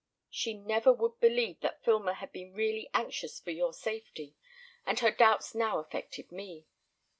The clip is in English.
She never would believe that Filmer had been really anxious for your safety, and her doubts now affected me.